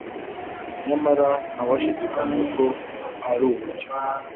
nyamara nta washidikanya ko ari uburyo